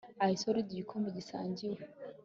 Isolde igikombe gisangiwe